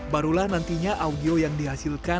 barulah nantinya audio yang dihasilkan